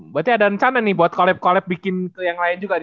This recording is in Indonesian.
berarti ada rencana nih buat collab collab bikin ke yang lain juga di